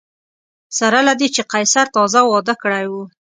سره له دې چې قیصر تازه واده کړی و